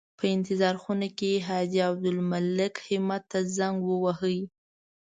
په انتظار خونه کې حاجي عبدالمالک همت ته زنګ وواهه.